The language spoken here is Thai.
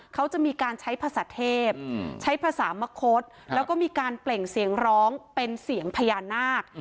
เขาจะมีการใช้ภาษาเทพใช้ภาษามะคดแล้วก็มีการเปล่งเสียงร้องเป็นเสียงพญานาค